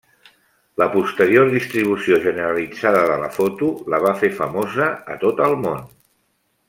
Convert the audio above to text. La posterior distribució generalitzada de la foto la va fer famosa a tot el món.